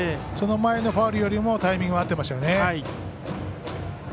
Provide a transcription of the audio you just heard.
その前のファウルよりもタイミング合ってましたよね。